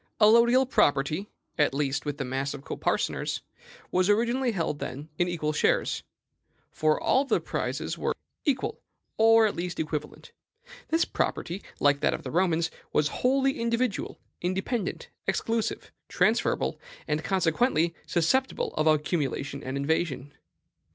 Allodial property, at least with the mass of coparceners, was originally held, then, in equal shares; for all of the prizes were equal, or, at least, equivalent. This property, like that of the Romans, was wholly individual, independent, exclusive, transferable, and consequently susceptible of accumulation and invasion.